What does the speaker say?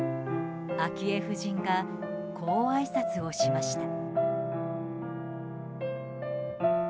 昭恵夫人がこう、あいさつをしました。